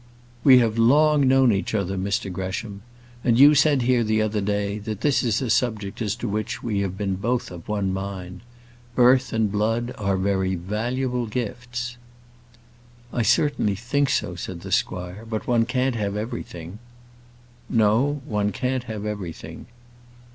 "We have long known each other, Mr Gresham, and you said here the other day, that this is a subject as to which we have been both of one mind. Birth and blood are very valuable gifts." "I certainly think so," said the squire; "but one can't have everything." "No; one can't have everything."